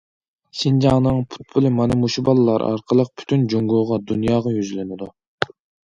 شىنجاڭنىڭ پۇتبولى مانا مۇشۇ بالىلار ئارقىلىق پۈتۈن جۇڭگوغا، دۇنياغا يۈزلىنىدۇ.